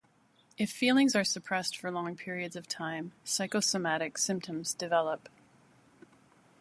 If feelings are suppressed for long periods of time, psychosomatic symptoms develop.